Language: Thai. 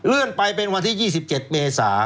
เลื่อนไปเป็นวันที่๒๗เมษา